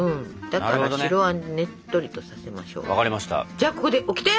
じゃあここでオキテ！